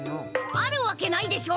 あるわけないでしょ！